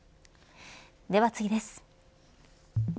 では次です。